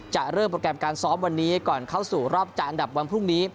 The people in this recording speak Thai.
จะเริ่มโปรแกรมการซ้อมวันนี้ก่อนเข้าสู่รอบจากอันดับวันพรุ่งนี้